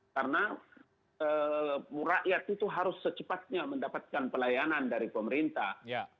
karena rakyat itu harus secepatnya mendapatkan pelayanan dari pemerintah